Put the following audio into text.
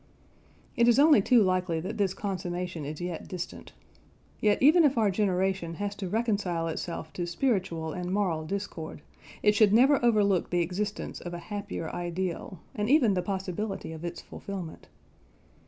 It is only too likely that this consummation is yet distant. Yet even if our generation has to reconcile itself to spiritual and moral discord, it should never overlook the existence of a happier ideal, and even the possibility of its fulfilment.